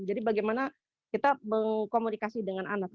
jadi bagaimana kita mengkomunikasi dengan anak